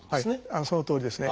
そのとおりですね。